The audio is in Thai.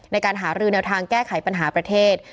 ในการหารือแนวทางแก้ไขปัญหาประเทศ